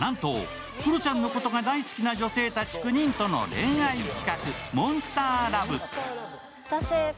なんとクロちゃんのことが大好きな女性たち９人との恋愛企画「ＭＯＮＳＴＥＲＬＯＶＥ」。